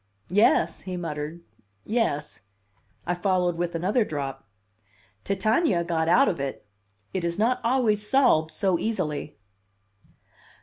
"Yes," he muttered. "Yes." I followed with another drop. "Titania got out of it. It is not always solved so easily."